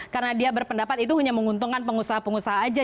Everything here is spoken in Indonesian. karena dia berpendapat itu hanya menguntungkan pengusaha pengusaha aja